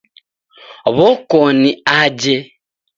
W'okoni aje